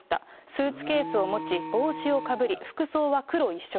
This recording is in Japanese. スーツケースを持ち、帽子をかぶり、服装は黒一色。